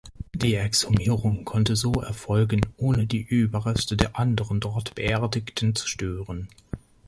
Die Exhumierung konnte so erfolgen, ohne die Überreste der anderen dort Beerdigten zu stören.